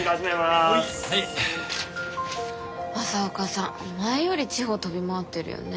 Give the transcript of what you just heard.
朝岡さん前より地方飛び回ってるよね。